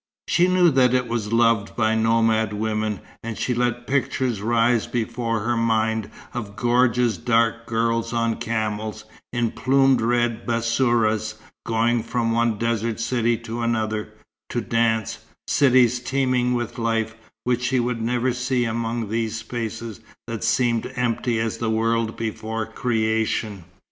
She knew that it was loved by nomad women; and she let pictures rise before her mind of gorgeous dark girls on camels, in plumed red bassourahs, going from one desert city to another, to dance cities teeming with life, which she would never see among these spaces that seemed empty as the world before creation.